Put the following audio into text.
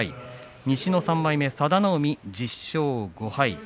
西の３枚目佐田の海１０勝５敗。